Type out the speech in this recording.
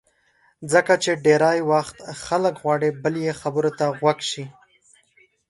ځکه چې ډېری وخت خلک غواړي بل یې خبرو ته غوږ شي.